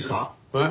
えっ？